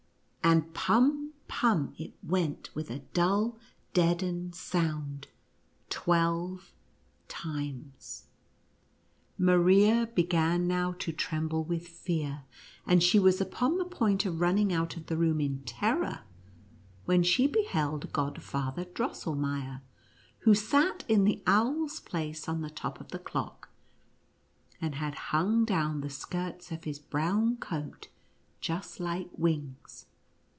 And pum — pum, it went with a dull deadened sound twelve times. Maria besran now to tremble 32 NUTCRACKER AND MOUSE KING. with, fear, and she was upon the point of run ning out of the room in terror, when she "beheld Godfather Drosselnder, who sat in the owl's place on the top of the clock, and had hung down the skirts of his brown coat just like wings.